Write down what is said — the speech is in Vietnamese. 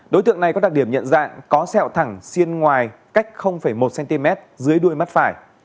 đối tượng này có đặc điểm nhận dạng có sẹo thẳng xiên ngoài cách một cm dưới đuôi mắt phải